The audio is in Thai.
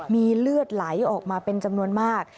มีเลือดไหลออกมาเป็นจำนวนมาก